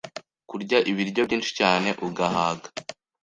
Kurya ibiryo byinshi cyane ugahaga